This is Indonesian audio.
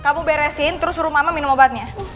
kamu beresin terus suruh mama minum obatnya